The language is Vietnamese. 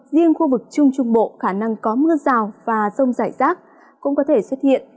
riêng khu vực trung trung bộ khả năng có mưa rào và rông rải rác cũng có thể xuất hiện